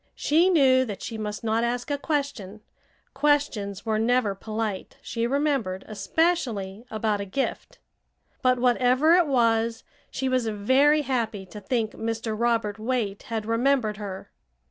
She knew that she must not ask a question; questions were never polite, she remembered, especially about a gift. But whatever it was she was very happy to think Mr. Robert Waite had remembered her.